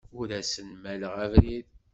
Ur asen-mmaleɣ abrid.